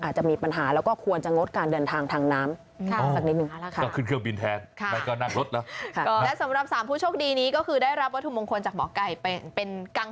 อาจจะมีปัญหาแล้วก็ควรจะงดการเดินทางทางน้ำ